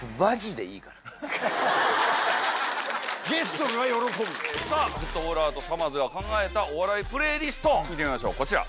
この番組はさぁフットボールアワーとさまぁずが考えたお笑いプレイリスト見てみましょうこちら。